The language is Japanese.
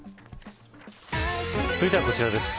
続いてはこちらです。